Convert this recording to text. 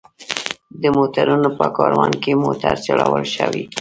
د موټرونو په کاروان کې موټر چلول ښه وي.